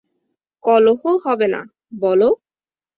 কলহ হবে না, বলো!